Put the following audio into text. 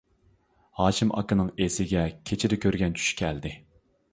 ھاشىم ئاكىنىڭ ئېسىگە كېچىدە كۆرگەن چۈشى كەلدى.